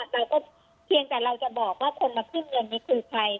เราก็เพียงแต่เราจะบอกว่าคนมาขึ้นเงินนี้คือใคร